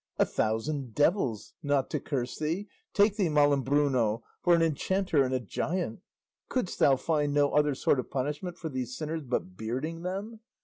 A thousand devils not to curse thee take thee, Malambruno, for an enchanter and a giant! Couldst thou find no other sort of punishment for these sinners but bearding them?